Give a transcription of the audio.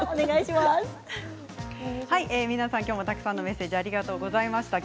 皆さん、きょうもたくさんメッセージありがとうございました。